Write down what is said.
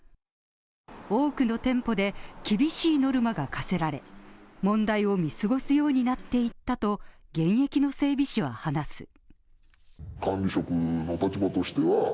多くの店舗で、厳しいノルマが課せられ、問題を見過ごすようになっていったと現役の整備士は話す。